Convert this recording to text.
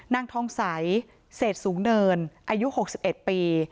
นางทองใสเศษสูงเนินอายุ๖๑ปี